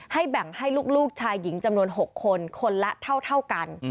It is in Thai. แบ่งให้ลูกชายหญิงจำนวน๖คนคนละเท่ากัน